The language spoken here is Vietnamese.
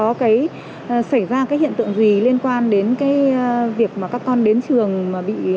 có cái xảy ra cái hiện tượng gì liên quan đến cái việc mà các con đến trường mà bị